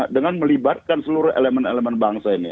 dengan melibatkan seluruh elemen elemen bangsa ini